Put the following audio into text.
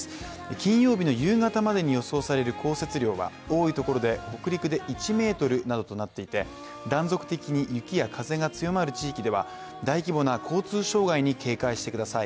金曜日の夕方までに予想される降雪量は多いところで北陸で１ｍなどとなっていて断続的に雪や風が強まる地域では大規模な交通障害に警戒してください。